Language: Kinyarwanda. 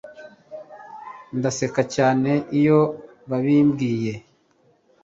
Ndaseka cyane iyo babimbwiye